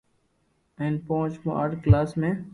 ھين پونچ مون آٺ ڪلاس ۾